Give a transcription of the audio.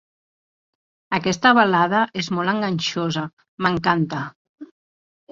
Aquesta balada és molt enganxosa, m'encanta!